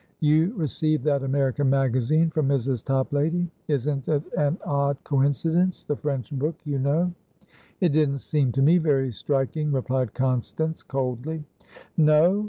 "You received that American magazine from Mrs. Toplady? Isn't it an odd coincidencethe French book, you know?" "It didn't seem to me very striking," replied Constance, coldly. "No?